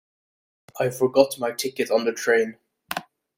I forgot my ticket on the train.